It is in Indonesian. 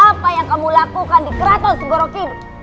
apa yang kamu lakukan di kratom segoregido